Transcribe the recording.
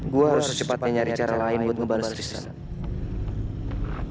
gua harus cepatnya nyari cara lain buat ngebalas tristan